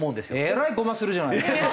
えらいゴマするじゃない。